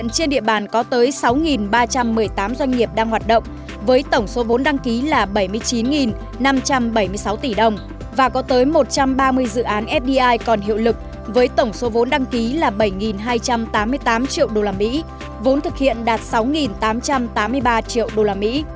trên địa bàn có tới sáu ba trăm một mươi tám doanh nghiệp đang hoạt động với tổng số vốn đăng ký là bảy mươi chín năm trăm bảy mươi sáu tỷ đồng và có tới một trăm ba mươi dự án fdi còn hiệu lực với tổng số vốn đăng ký là bảy hai trăm tám mươi tám triệu usd vốn thực hiện đạt sáu tám trăm tám mươi ba triệu usd